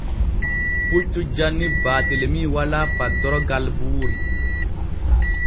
Puccu janni Baatelemi walaa paddorgal buuri.